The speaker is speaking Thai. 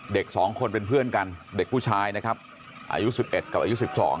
เด็ก๒คนเป็นเพื่อนกันเด็กผู้ชายนะครับอายุ๑๑กับอายุ๑๒